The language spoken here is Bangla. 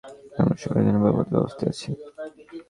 আমরা সবাই এখানে ভয়ার্ত অবস্থায় আছি!